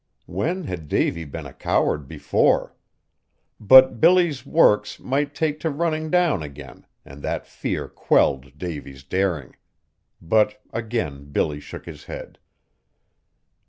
When had Davy been a coward before? But Billy's "works" might take to running down again, and that fear quelled Davy's daring. But again Billy shook his head.